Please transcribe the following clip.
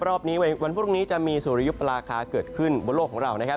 รอบนี้วันพรุ่งนี้จะมีสุริยุปราคาเกิดขึ้นบนโลกของเรานะครับ